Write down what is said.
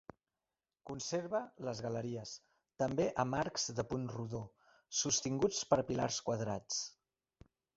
Conserva les galeries, també amb arcs de punt rodó, sostinguts per pilars quadrats.